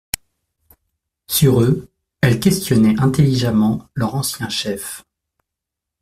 Sur eux, elle questionnait intelligemment leur ancien chef.